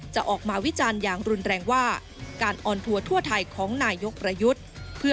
จะออกมาวิจารณ์อย่างรุนแรงว่าการออนทัวร์ทั่วไทยของนายกประยุทธ์